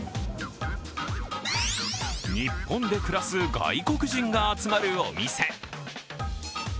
日本で暮らす外国人が集まるお店。